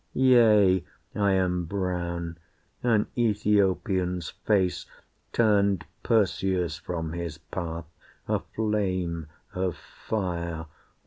Yea, I am brown an Æthiopian's face Turned Perseus from his path, a flame of fire.